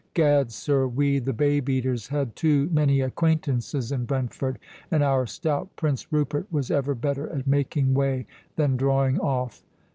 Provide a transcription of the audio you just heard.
Gad, sir, we, the babe eaters, had too many acquaintances in Brentford, and our stout Prince Rupert was ever better at making way than drawing off.